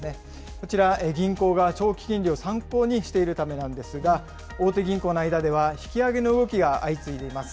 こちら、銀行が長期金利を参考にしているためなんですが、大手銀行の間では、引き上げの動きが相次いでいます。